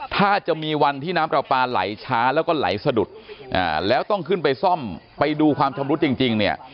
ถ้าจะมีวันที่น้ำปลาปลาไหลช้าแล้วก็ไหลสะดุดแล้วต้องขึ้นไปซ่อมไปดูความชำรุดจริงเนี่ย